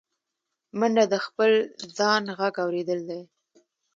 منډه د خپل ځان غږ اورېدل دي